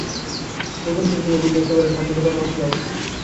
রোশন-চৌকিওয়ালাকে বুঝি একেবারে ফাঁকি দেবার মতলব?